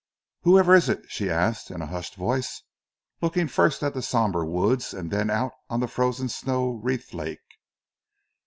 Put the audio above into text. "Whoever is it?" she asked in a hushed voice, looking first at the sombre woods and then out on the frozen snow wreathed lake.